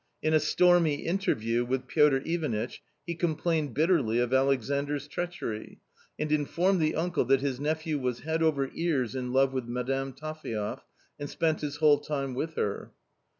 In a stormy interview with Piotr Ivanitch he complained bitterly of AlexanoVs treachery and informed the uncle that his nephew was head over ears in love with Madame Taphaev and spent his whole time with her.